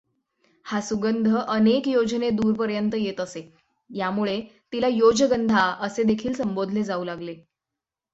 हा सुगंध अनेक योजने दूरपर्यंत येत असे, यामुळे तिला योजगंधा असेदेखील संबोधले जाऊ लागते.